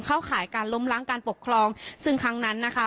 ขายการล้มล้างการปกครองซึ่งครั้งนั้นนะคะ